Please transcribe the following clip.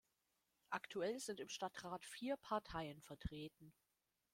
Aktuell sind im Stadtrat vier Parteien vertreten.